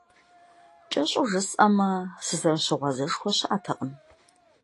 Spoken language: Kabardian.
КӀэщӀу жысӀэмэ, сызэрыщыгъуазэшхуэ щыӀэтэкъым.